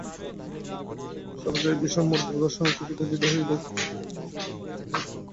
সহসা এই ভীষণ মূর্তি দর্শনে চকিত ও ভীত হইয়া দৈত্যগণ ইতস্তত পলায়ন করিতে লাগিল।